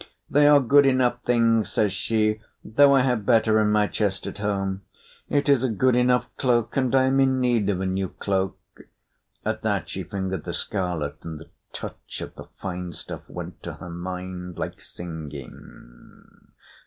"They are good enough things," says she, "though I have better in my chest at home. It is a good enough cloak, and I am in need of a new cloak." At that she fingered the scarlet, and the touch of the fine stuff went to her mind like singing.